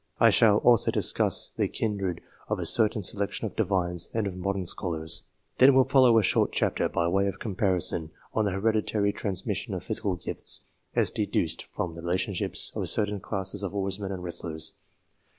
I shall also discuss the kindred f a certain selection of Divines and of modern Scholars, n will follow a short chapter, by way of comparison, on the hereditary transmission of physical gifts, as deduced from the relationships of certain classes of Oarsmen and Wrestlers.